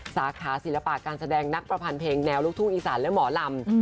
สาขาศิลปะการแสดงนักประพันเพลงแนวลูกทุ่งอีสานและหมอลำ